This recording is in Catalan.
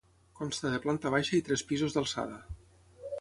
Consta de planta baixa i tres pisos d'alçada.